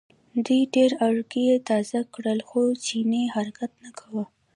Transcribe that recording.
دوی ډېر ارګی تازه کړل خو چیني حرکت نه کاوه.